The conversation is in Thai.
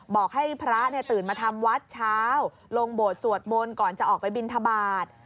บอกให้พระตื่นมาทำวัดเช้าลงโบสถสวดมนต์ก่อนจะออกไปบินทบาท